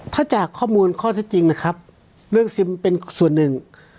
ถ้าจากข้อมูลข้อเท็จจริงนะครับเรื่องซิมเป็นส่วนหนึ่ง